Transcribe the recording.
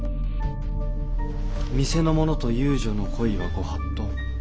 見世の者と遊女の恋はご法度。